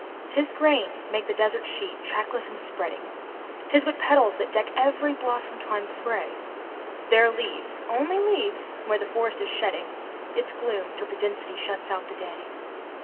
'Tis grains make the desert sheet, trackless and spreading; 'Tis but petals that deck every blossom twinned spray; There are leaves only leaves where the forest is shedding Its gloom till the density shuts out the day.